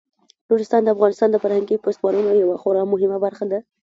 نورستان د افغانستان د فرهنګي فستیوالونو یوه خورا مهمه برخه ده.